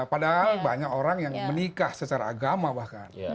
padahal banyak orang yang menikah secara agama bahkan